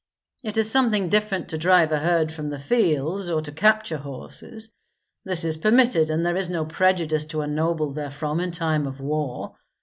It is something different to drive a herd from the fields, or to capture horses. This is permitted, and there is no prejudice to a noble therefrom in time of war.